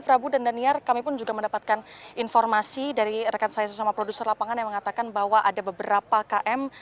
prabu dan daniar kami pun juga mendapatkan informasi dari rekan saya sesama produser lapangan yang mengatakan bahwa ada beberapa km